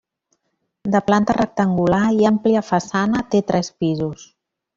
De planta rectangular i àmplia façana, té tres pisos.